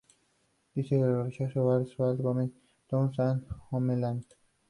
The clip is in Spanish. Dice que rechazó "Better Call Saul", "Game of Thrones" and "Homeland".